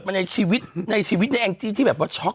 พึ่งเกิดในชีวิตที่แบบวะช็อก